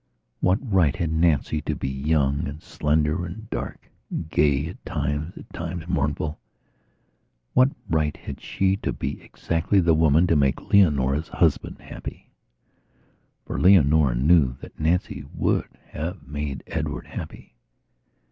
What right had Nancy to be young and slender and dark, and gay at times, at times mournful? What right had she to be exactly the woman to make Leonora's husband happy? For Leonora knew that Nancy would have made Edward happy.